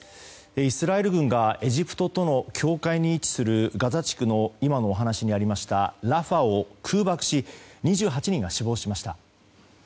イスラエル軍がエジプトとの境界に位置するガザ地区の今のお話にあったラファを空爆し２８人が死亡しました。